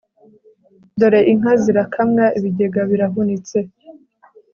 dore inka zirakamwa ibigega birahunitse